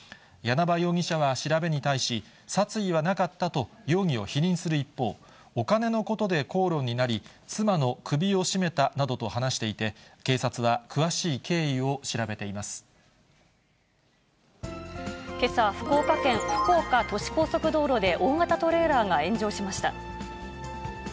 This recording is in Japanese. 簗場容疑者は調べに対し、殺意はなかったと容疑を否認する一方、お金のことで口論になり、妻の首を絞めたなどと話していて、けさ、福岡県福岡都市高速道路で、大型トレーラーが炎上しました。